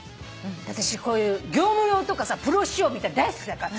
であたしこういう業務用とかプロ仕様みたいなの大好きだから。